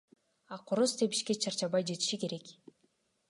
А короз тебишке чарчабай жетиши керек.